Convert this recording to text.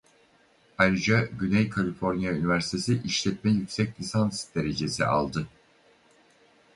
Ayrıca Güney Kaliforniya Üniversitesi işletme yüksek lisans derecesi aldı.